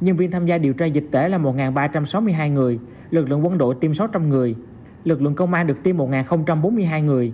nhân viên tham gia điều tra dịch tễ là một ba trăm sáu mươi hai người lực lượng quân đội tiêm sáu trăm linh người lực lượng công an được tiêm một bốn mươi hai người